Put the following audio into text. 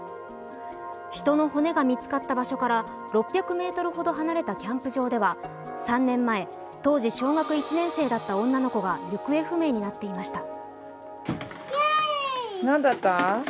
人の骨が見つかった場所から６００ｍほど離れたキャンプ場では３年前、当時小学１年生だった女の子が行方不明になっていました。